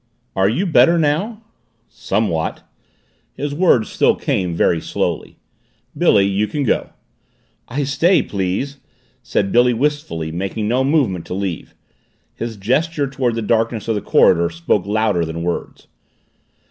"Are you better now?" "Somewhat." His words still came very slowly. "Billy you can go." "I stay, please!" said Billy wistfully, making no movement to leave. His gesture toward the darkness of the corridor spoke louder than words.